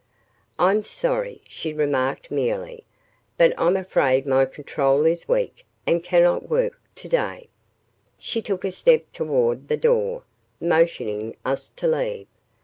"I'm sorry," she remarked merely, "but I'm afraid my control is weak and cannot work today." She took a step toward the door, motioning us to leave.